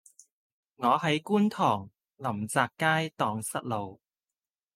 我喺觀塘臨澤街盪失路